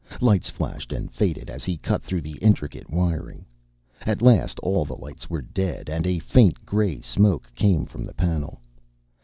Lights flashed and faded as he cut through the intricate wiring. At last all the lights were dead, and a faint gray smoke came from the panel.